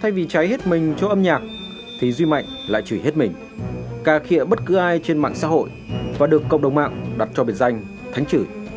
thay vì cháy hết mình cho âm nhạc thì duy mạnh lại chửi hết mình cà khaya bất cứ ai trên mạng xã hội và được cộng đồng mạng đặt cho biệt danh thánh chửi